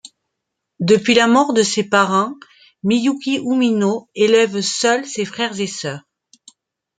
Depuis la mort de ses parents, Miyuki Umino élève seule ses frères et sœurs.